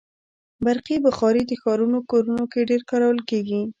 برقي بخاري د ښارونو کورونو کې ډېره کارول کېږي.